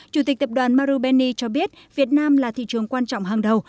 chủ tịch tập đoàn marubeni cho biết việt nam là thị trường quan trọng hàng đầu